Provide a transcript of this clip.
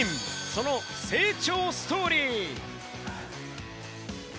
その成長ストーリー。